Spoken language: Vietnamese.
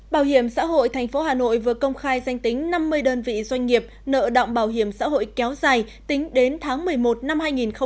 bảo hiểm xã hội tp hà nội vừa công khai danh tính năm mươi đơn vị doanh nghiệp nợ động bảo hiểm xã hội kéo dài tính đến tháng một mươi một năm hai nghìn hai mươi